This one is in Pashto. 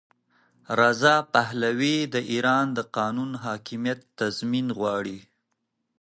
رضا پهلوي د ایران د قانون حاکمیت تضمین غواړي.